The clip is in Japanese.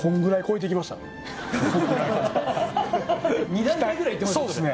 ２段階ぐらいいってますよね